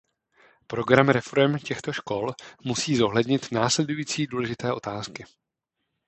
Program reforem těchto škol musí zohlednit následující důležité otázky.